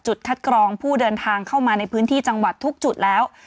คัดกรองผู้เดินทางเข้ามาในพื้นที่จังหวัดทุกจุดแล้ว